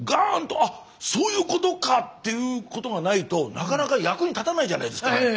「あっそういうことか！」っていうことがないとなかなか役に立たないじゃないですか。